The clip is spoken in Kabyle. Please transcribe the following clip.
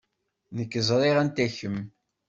Nekk ẓriɣ anta kemm.